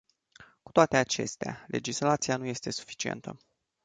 Cu toate acestea, legislația nu este suficientă.